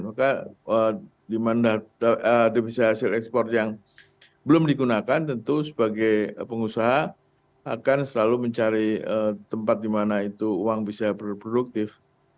maka di mana devisa hasil ekspor yang belum digunakan tentu sebagai pengusaha akan selalu mencari tempat di mana itu uang bisa berproduktif